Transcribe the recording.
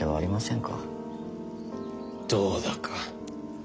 どうだか。